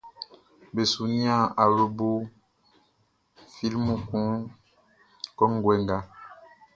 Be su nian awlobo flimu kun kɔnguɛ nga.